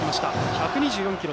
１２４キロ。